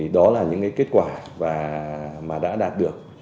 đó là những kết quả mà đã đạt được